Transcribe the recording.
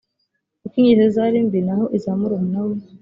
uko ingeso ze zari mbi naho iza murumuna we